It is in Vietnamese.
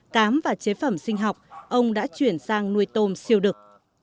cám và chế phẩm sinh học ông đã chuyển sang nuôi tôm siêu đực